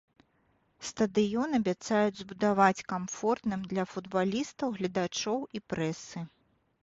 Стадыён абяцаюць збудаваць камфортным для футбалістаў, гледачоў і прэсы.